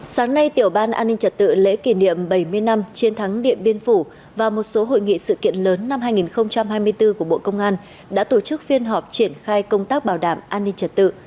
sáng nay tiểu ban an ninh trật tự lễ kỷ niệm bảy mươi năm chiến thắng điện biên phủ và một số hội nghị sự kiện lớn năm hai nghìn hai mươi bốn của bộ công an đã tổ chức phiên họp triển khai công tác bảo đảm an ninh trật tự